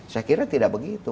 saya kira tidak begitu